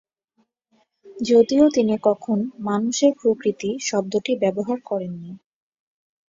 যদিও তিনি কখন মানুষের প্রকৃতি শব্দটি ব্যবহার করেননি।